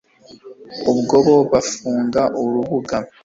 ubwo bo bafunga urubuga